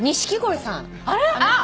あっ！